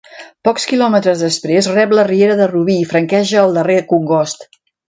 Pocs quilòmetres després rep la riera de Rubí i franqueja el darrer congost.